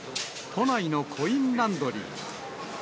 都内のコインランドリー。